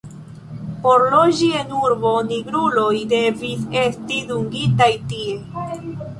Por loĝi en urbo, nigruloj devis esti dungitaj tie.